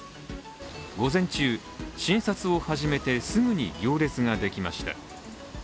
午前中、診察を始めてすぐに行列ができました。